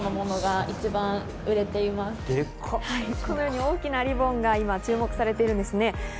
このような大きなリボンが注目されているんですね。